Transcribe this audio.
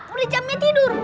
udah jamnya tidur